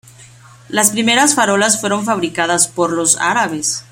Las primeras farolas fueron fabricadas por los árabes.